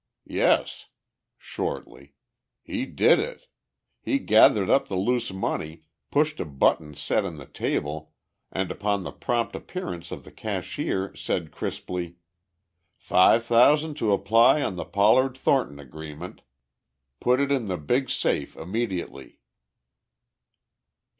"Yes," shortly. "He did it." He gathered up the loose money, pushed a button set in the table, and upon the prompt appearance of the cashier said crisply, "Five thousand to apply on the Pollard Thornton agreement. Put it in the big safe immediately."